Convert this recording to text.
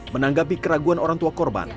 menanggapi keraguan orang tua korban